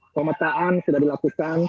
pemetaan sudah dilakukan